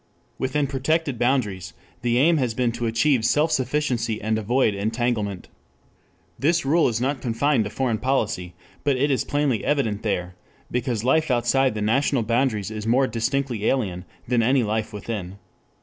Within protected boundaries the aim has been to achieve self sufficiency and avoid entanglement. This rule is not confined to foreign policy, but it is plainly evident there, because life outside the national boundaries is more distinctly alien than any life within.